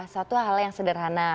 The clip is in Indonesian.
satu hal yang sederhana